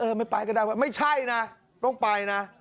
เออไม่ไปก็ได้ไม่ใช่นะต้องไปนะ